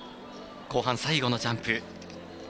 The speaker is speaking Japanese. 後半、最後のジャンプ。